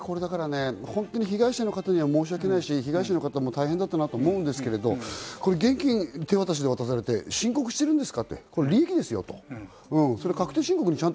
被害者の方には申し訳ないし、被害者の方も大変だったと思うんですけど、現金手渡しで渡されて申告してるんですか？